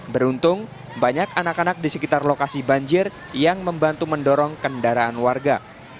beruntung banyak anak anak di sekitar lokasi banjir yang membantu mendorong kendaraan warga